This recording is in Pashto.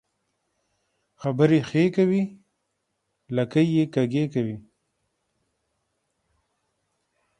خبري ښې کوې ، لکۍ يې کږۍ کوې.